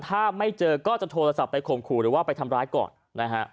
ถ้าไม่เจอก็จะโทรศัพท์ไปข่มขู่หรือว่าไปทำร้ายก่อนนะฮะ